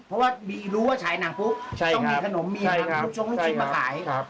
เพราะว่ารู้ว่าฉายหนังปุ๊บต้องมีขนมมีขนมทุกช่องขึ้นมาขาย